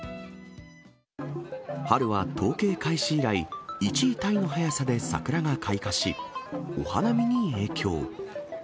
春は統計開始以来１位タイの早さで桜が開花し、お花見に影響。